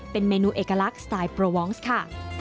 เป็นเมนูเอกลักษณ์สไตล์โปรวองซ์ค่ะ